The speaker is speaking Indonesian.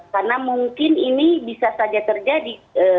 karena mungkin ini bisa saja terjadi